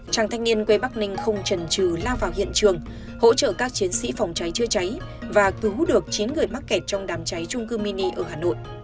chàng thanh niên quê bắc ninh không trần trừ lao vào hiện trường hỗ trợ các chiến sĩ phòng cháy chữa cháy và cứu được chín người mắc kẹt trong đám cháy trung cư mini ở hà nội